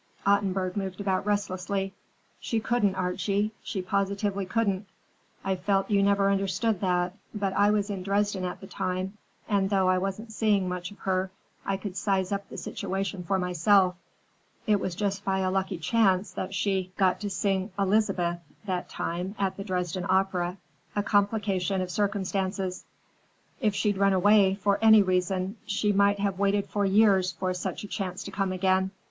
Ottenburg moved about restlessly. "She couldn't, Archie, she positively couldn't. I felt you never understood that, but I was in Dresden at the time, and though I wasn't seeing much of her, I could size up the situation for myself. It was by just a lucky chance that she got to sing Elizabeth that time at the Dresden Opera, a complication of circumstances. If she'd run away, for any reason, she might have waited years for such a chance to come again.